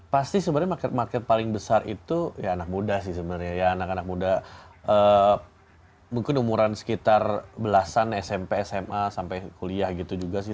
pasti sebenarnya market market paling besar itu ya anak muda sih sebenarnya ya anak anak muda mungkin umuran sekitar belasan smp sma sampai kuliah gitu juga sih